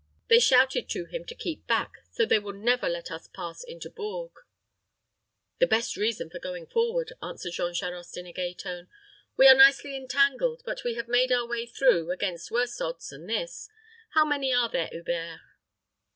They shouted to him to keep back; so they will never let us pass into Bourges." "The best reason for going forward," answered Jean Charost, in a gay tone. "We are nicely entangled; but we have made our way through, against worse odds than this. How many are there, Hubert?"